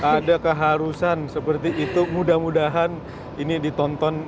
ada keharusan seperti itu mudah mudahan ini ditonton